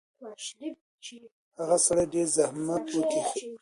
هغه سړي ډېر زحمت وکښی.